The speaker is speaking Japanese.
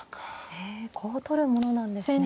へえこう取るものなんですね。